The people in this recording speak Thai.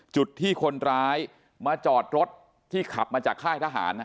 จุดที่คนร้ายมาจอดรถที่ขับมาจากค่ายทหาร